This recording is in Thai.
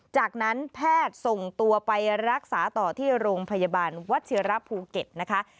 จากนั้นแพทย์ส่งตัวไปรักษาต่อที่โรงพยาบาลวัชิระภูเก็ตนะคะ